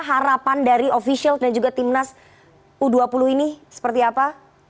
harapan dari official dan juga timnas u dua puluh ini seperti apa